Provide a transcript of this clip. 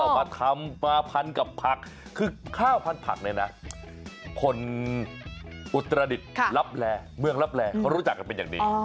มาทำมาพันกับผักคือข้าวพันธุ์ผักเนี่ยนะคนอุตรดิษฐ์ลับแลเมืองลับแลเขารู้จักกันเป็นอย่างดี